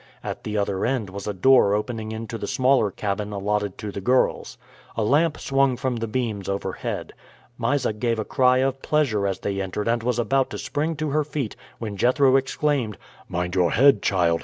At the other end was a door opening into the smaller cabin allotted to the girls. A lamp swung from the beams overhead. Mysa gave a cry of pleasure as they entered and was about to spring to her feet, when Jethro exclaimed: "Mind your head, child!